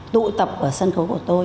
tụ tập ở sân khấu của tôi